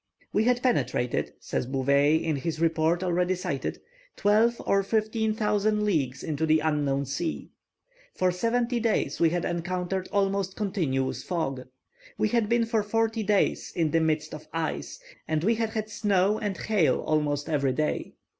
"We had penetrated," says Bouvet, in the report already cited, "twelve or fifteen hundred leagues into an unknown sea. For seventy days we had encountered almost continuous fog. We had been for forty days in the midst of ice, and we had had snow and hail almost every day.